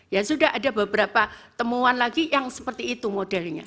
ya sudah ada beberapa temuan lagi yang seperti itu modelnya